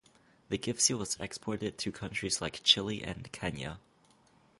The Gypsy was exported to countries like Chile and Kenya.